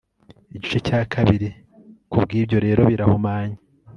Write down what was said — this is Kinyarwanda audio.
Igice cya kabiri Ku bwibyo rero birahumanye